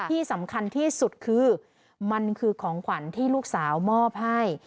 ที่สำคัญที่สุดคือมันคือของขวัญที่ลูกสาวมอบให้